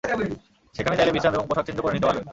সেখানে চাইলে বিশ্রাম এবং পোষাক চেঞ্জও করে নিতে পারবেন।